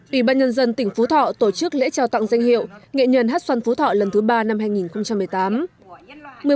ủy ban nhân dân tỉnh phú thọ tổ chức lễ trao tặng danh hiệu nghệ nhân hát xoan phú thọ lần thứ ba năm hai nghìn một mươi tám